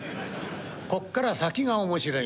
こっから先が面白い」。